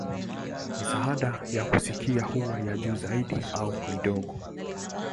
Misaada ya kusikia huwa ya juu zaidi au midogo.